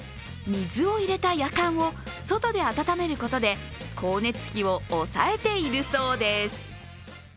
水を入れたやかんを外で温めることで、光熱費を抑えているそうです。